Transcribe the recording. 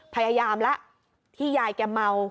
พยายามละที่ยายแกเมา